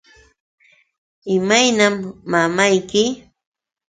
¿Imaynam mamayki?